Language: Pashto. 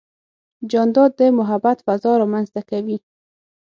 جانداد د محبت فضا رامنځته کوي.